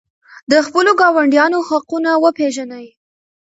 د خپلو ګاونډیانو حقونه وپېژنئ.